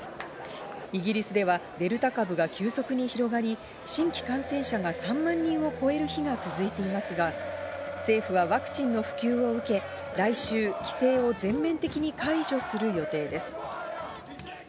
イギリスではデルタ株が急速に広がり、新規感染者が３万人を超える日が続いていますが、政府はワクチンの普及を受け、来週規制を全面的に解除する予定です。